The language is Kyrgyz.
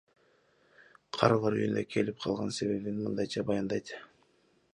Карылар үйүнө келип калган себебин мындайча баяндайт.